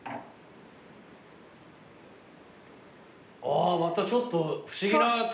あぁまたちょっと不思議な体験。